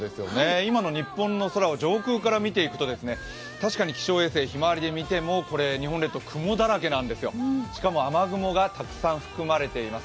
今の日本の空を上空から見ていくと確かに気象衛星ひまわりで見ても、日本列島は雲だらけなんですよ、しかも雨雲がたくさん含まれています。